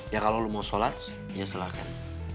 ya kalau lo mau sholat ya silahkan